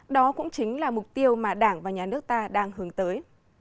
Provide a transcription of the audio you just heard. đó cũng chính là mục tiêu mà đảng và nhà nước ta đang hướng tới